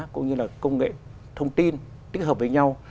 cũng như là công nghệ thông tin tích hợp với nhau